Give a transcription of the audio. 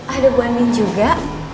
ada bu andien juga